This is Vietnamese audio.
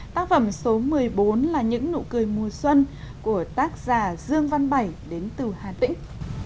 tác phẩm số một mươi bốn là những nụ cười mùa xuân của tác giả dương văn bảy đến từ hà tĩnh